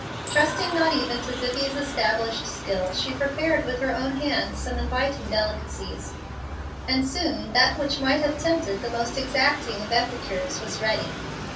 Trusting not even to Zibbie's established skill, she prepared with her own hands some inviting delicacies, and soon that which might have tempted the most exacting of epicures was ready.